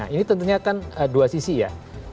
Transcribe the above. ini tentunya kan dua sisi ya